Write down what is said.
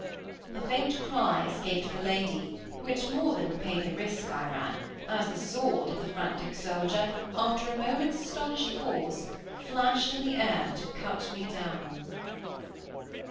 A faint cry escaped the lady, which more than repaid the risk I ran, as the sword of the frantic soldier, after a moment's astonished pause, flashed in the air to cut me down.